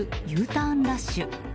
Ｕターンラッシュ。